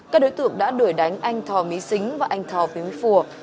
các đối tượng đã đuổi đánh anh thò mỹ xính và anh thò viếng phùa